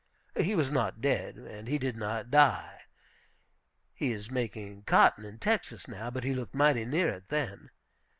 He was not dead, and he did not die. He is making cotton in Texas now. But he looked mighty near it then.